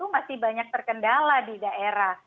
masih banyak terkendala di daerah